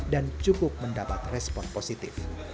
dan cukup mendapat respon positif